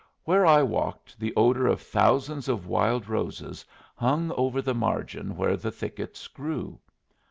Where I walked the odor of thousands of wild roses hung over the margin where the thickets grew.